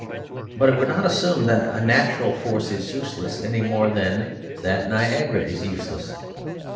But it would not assume that a natural force is useless, any more than that Niagara is useless.